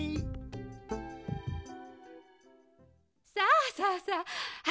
さあさあさあ